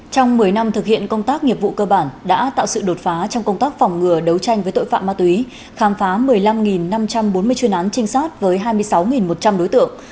trong một mươi năm thực hiện công tác nghiệp vụ cơ bản đã tạo sự đột phá trong công tác phòng ngừa đấu tranh với tội phạm ma túy khám phá một mươi năm năm trăm bốn mươi chuyên án trinh sát với hai mươi sáu một trăm linh đối tượng